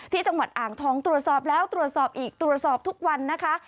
จังหวัดอ่างทองตรวจสอบแล้วตรวจสอบอีกตรวจสอบทุกวันนะคะ